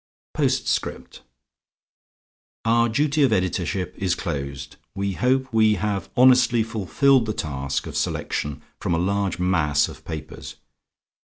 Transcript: POSTSCRIPT Our duty of editorship is closed. We hope we have honestly fulfilled the task of selection from a large mass of papers.